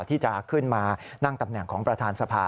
ที่จะขึ้นมานั่งตำแหน่งของประธานสภา